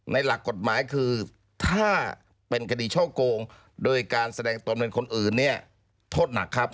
หลักกฎหมายคือถ้าเป็นคดีช่อโกงโดยการแสดงตนเป็นคนอื่นเนี่ยโทษหนักครับ